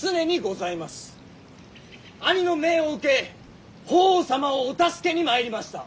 兄の命を受け法皇様をお助けに参りました。